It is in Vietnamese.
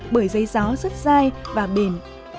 bởi giấy gió rất dai và bền